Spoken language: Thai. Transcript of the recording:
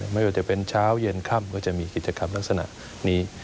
ไม่ว่าจะเป็นเช้าเย็นค่ำก็จะมีกิจกรรมลักษณะนี้